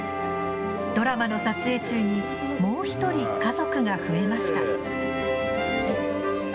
ドラマの撮影中にもう１人、家族が増えました。